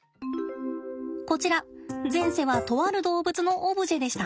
こちら前世はとある動物のオブジェでした。